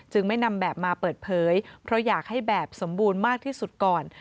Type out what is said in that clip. ไม่นำแบบมาเปิดเผยเพราะอยากให้แบบสมบูรณ์มากที่สุดก่อน